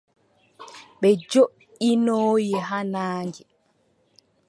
Ɓe joʼinoyi haa naange.